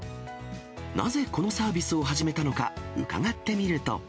なぜこのサービスを始めたのか、伺ってみると。